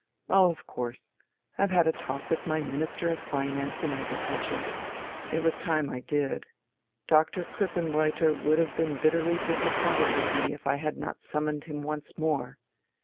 "Oh, of course. I've had a talk with my Minister of Finance and Agriculture. It was time I did. Doctor Krippenreuther would have been bitterly disappointed with me if I had not summoned him once more.